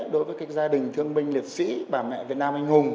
đối với các gia đình thương binh liệt sĩ bà mẹ việt nam anh hùng